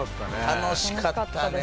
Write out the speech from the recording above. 楽しかったね。